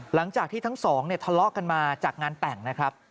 หลังจากที่ทั้งสองเนี่ยทะเลาะกันมาจากงานแต่งนะครับ